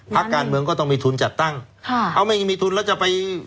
พักการเมืองก็ต้องมีทุนจัดตั้งค่ะเอาไม่มีทุนแล้วจะไป